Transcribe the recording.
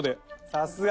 さすが！